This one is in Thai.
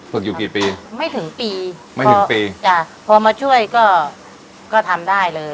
ฝึกอยู่กี่ปีไม่ถึงปีไม่ถึงปีจ้ะพอมาช่วยก็ก็ทำได้เลย